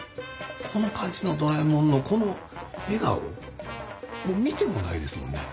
この感じのドラえもんのこの笑顔見てもないですもんね。